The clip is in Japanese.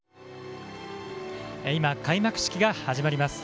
今、開幕式が始まります。